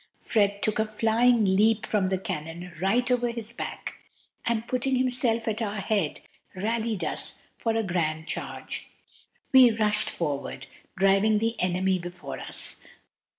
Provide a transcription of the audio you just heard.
Fred took a flying leap from the cannon right over his back, and putting himself at our head, rallied us for a grand charge. We rushed forward, driving the enemy before us.